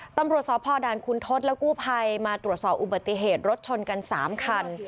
ตำรวจสพด่านคุณทศและกู้ภัยมาตรวจสอบอุบัติเหตุรถชนกัน๓คัน